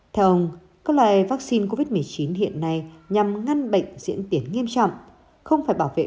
theo ông các loài vắc xin covid một mươi chín hiện nay nhằm ngăn bệnh diễn tiến nghiêm trọng không phải bảo vệ